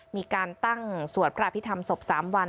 มีการตั้งสวดพระอภิษฐรรมศพ๓วัน